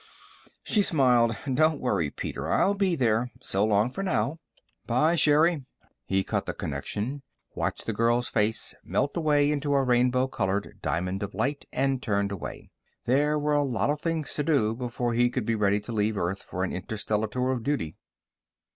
She smiled. "Don't worry, Peter. I'll be there. So long for now." "Bye, Sherri." He cut the connection, watched the girl's face melt away into a rainbow colored diamond of light, and turned away. There were a lot of things to do before he would be ready to leave Earth for an interstellar tour of duty.